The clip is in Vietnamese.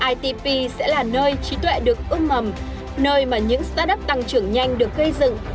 itp sẽ là nơi trí tuệ được ưm mầm nơi mà những start up tăng trưởng nhanh được gây dựng